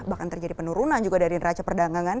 bahkan terjadi penurunan juga dari neraca perdagangan